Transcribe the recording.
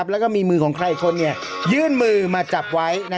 แล้วก็มีมือของใครอีกคนยื่นมือมาจับไว้